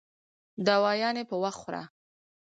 دوايانې په وخت خوره